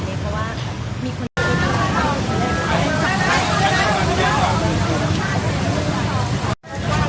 เพราะว่ามีคนมีอขเพลิน